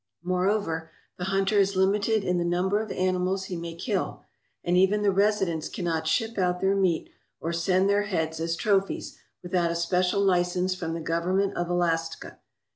Moreover, the hunter is limited in the number of animals he may kill, and even the residents cannot ship out their meat, or send their heads as trophies, without a special license from the Government of Alaska.